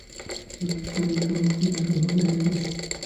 চলিতে চলিতে চরণ শ্রান্ত, দেহ দুর্বল হইয়া আসিতে লাগিল।